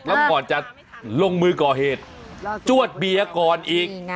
แล้วก่อนจะลงมือก่อเหตุจวดเบียร์ก่อนอีก